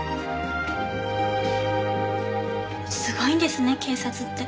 すごいんですね警察って。